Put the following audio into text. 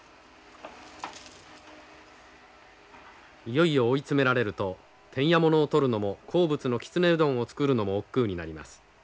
いよいよ追い詰められると店屋物を取るのも好物のきつねうどんを作るのもおっくうになります。